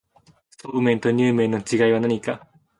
そうめんとにゅう麵の違いは何か